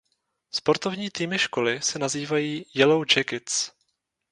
Sportovní týmy školy se nazývají "Yellow Jackets".